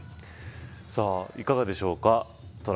いかがでしょうか。